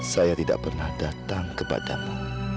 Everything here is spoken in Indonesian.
saya tidak pernah datang kepadamu